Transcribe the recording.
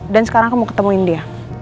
dan sekarang aku mau ketemuin dia